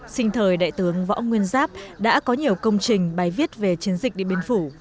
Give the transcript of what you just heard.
sinh thời đại tướng võ nguyên giáp đã có nhiều công trình bài viết về chiến dịch điện biên phủ